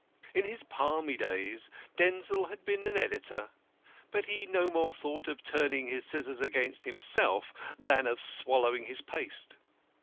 In his palmy days Denzil had been an editor, but he no more thought of turning his scissors against himself than of swallowing his paste.